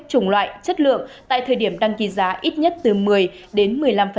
chủng loại chất lượng tại thời điểm đăng ký giá ít nhất từ một mươi đến một mươi năm